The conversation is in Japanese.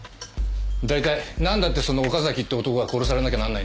大体なんだってその岡崎って男が殺されなきゃなんないんです？